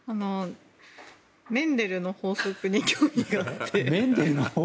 メンデルの法則に興味があって。